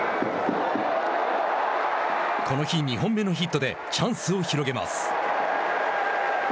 この日２本目のヒットでチャンスを広げます。